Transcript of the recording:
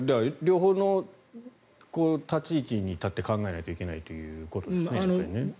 両方の立ち位置に立って考えないといけないということですね。